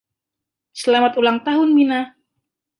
Selamat ulang tahun, Mina!